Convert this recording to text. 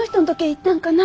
行ったんかな？